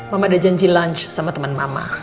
mama ada janji lunch sama teman mama